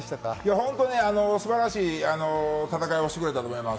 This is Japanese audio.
本当に素晴らしい戦いをしてくれたと思います。